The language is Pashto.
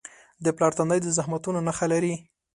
د پلار تندی د زحمتونو نښه لري.